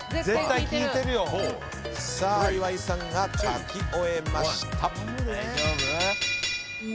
さあ岩井さんが書き終えました。